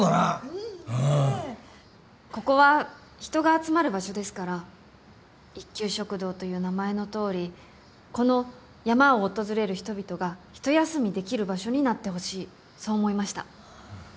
ここは人が集まる場所ですから一休食堂という名前のとおりこの山を訪れる人々が一休みできる場所になってほしいそう思いました。